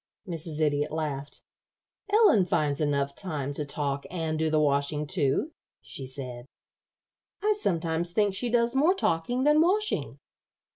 Mrs. Idiot laughed. "Ellen finds time enough to talk and do the washing, too," she said. "I sometimes think she does more talking than washing."